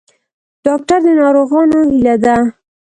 ډاکټر د ناروغانو هیله ده